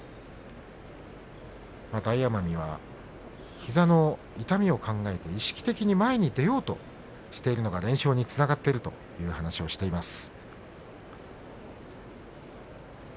大奄美は膝の痛みを考えて意識的に前に出ようとしているのが連勝につながっているという話をしています。